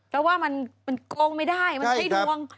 แต่ว่ามันโกงไม่ได้มันใช่ดวง